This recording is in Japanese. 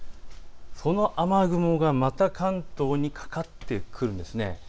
この雨雲がまた関東にかかってくるんです。